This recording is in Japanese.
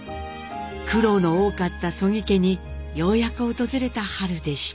苦労の多かった曽木家にようやく訪れた春でした。